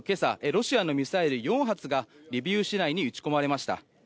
ロシアのミサイル４発がリビウ市内に撃ち込まれました。